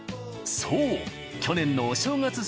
そう去年のお正月